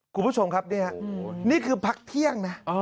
คุณผู้ชมครับเนี่ยนี่คือพักเที่ยงนะ